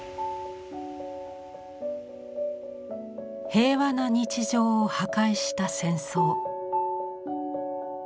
平和な日常を破壊した戦争。